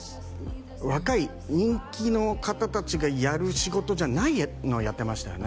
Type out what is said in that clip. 若い人気の方達がやる仕事じゃないのをやってましたよね